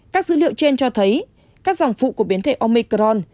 các dữ liệu trên cho thấy các dòng phụ của biến thể omicron